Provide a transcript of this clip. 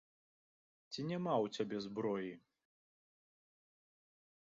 Ці няма ў цябе зброі?!